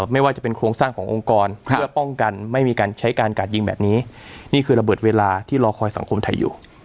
ไม่ว่าจะเป็นโครงสร้างขององค์กรเพื่อป้องกันไม่มีการใช้การกาดยิงแบบนี้นี่คือระเบิดเวลาที่รอคอยสังคมไทยอยู่